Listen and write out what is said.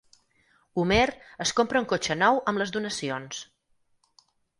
Homer es compra un cotxe nou amb les donacions.